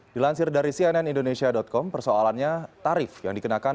dilansir dari cnnindonesia com persoalannya tarif yang dikenakan